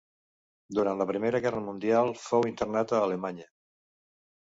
Durant la Primera Guerra Mundial fou internat a Alemanya.